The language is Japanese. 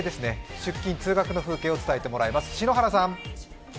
出勤・通学の風景を伝えてもらいます。